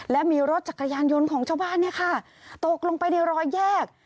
และมีรถจักรยานยนต์ของชาวบ้านเนี่ยค่ะตกลงไปในรอยแยก